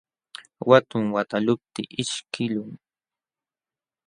Watum wataqluptii ishkiqlun.